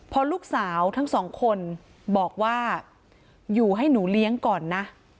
พอลูกสาวทั้งสองคนบอกว่าอยู่ให้หนูเลี้ยงก่อนนะ